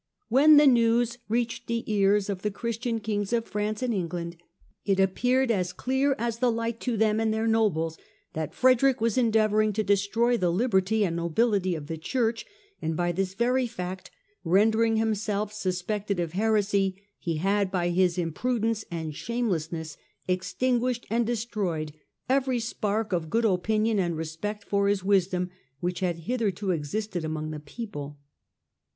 " When the news reached the ears of the Christian Kings of France and England, it appeared as clear as the light to them and their nobles that Frederick was endeavouring to destroy the liberty and nobility of the Church ; and by this very fact rendering himself suspected of heresy, he had, by his impudence and shamelessness, extinguished and destroyed every spark of good opinion and respect for his wisdom, which had hitherto existed among the people.